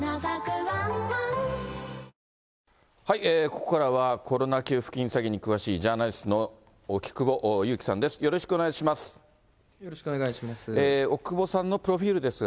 ここからは、コロナ給付金詐欺に詳しい、ジャーナリストの奥窪優木さんです。